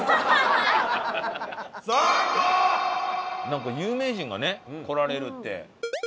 なんか有名人がね来られるって。